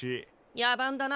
野蛮だな。